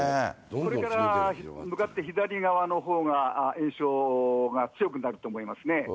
これから、向かって左側のほうが延焼が強くなると思いますね。